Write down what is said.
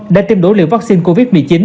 đã tiêm đủ liều vaccine covid một mươi chín